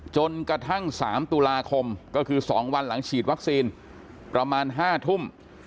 จนกระทั่ง๓ตุลาคมก็คือ๒วันหลังฉีดวัคซีนประมาณ๕ทุ่ม